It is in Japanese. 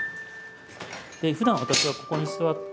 ふだん私はここに座って。